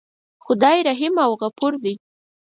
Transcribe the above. خدای رحیم او غفور دی.